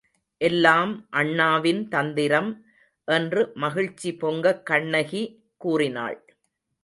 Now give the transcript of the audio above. எல்லாம் அண்ணாவின் தந்திரம் என்று மகிழ்ச்சி பொங்கக் கண்ணகி கூறினாள்.